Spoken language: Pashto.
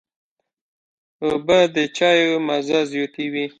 اوبه د چايو مزه زیاتوي.